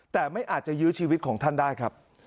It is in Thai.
แต่ไม่อาจจะยื้อชีวิตของท่านได้ครับ